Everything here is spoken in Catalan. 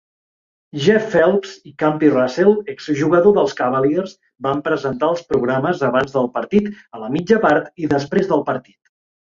Jeff Phelps i Campy Russell, exjugador dels Cavaliers, van presentar els programes abans del partit, a la mitja part i després del partit.